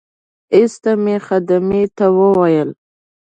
ایسته مې خدمې ته وویل.